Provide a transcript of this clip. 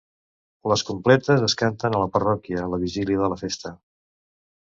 Les Completes es canten a la parròquia la vigília de la festa.